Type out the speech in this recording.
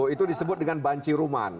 itu disebut dengan banci ruman